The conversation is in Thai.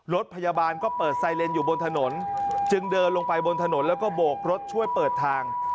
รถพยาบาลก็เปิดไซเลนอยู่บนถนนจึงเดินลงไปบนถนนแล้วก็โบกรถช่วยเปิดทาง